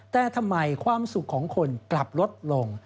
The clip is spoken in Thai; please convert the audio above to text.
แต่ทำไมความสุขของคนกลับลดลง